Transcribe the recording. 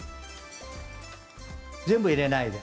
全部入れないで。